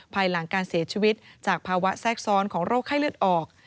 ภายหลังการเสียชีวิตจากภาวะแทรกซ้อนของโรคไข้เลือดออก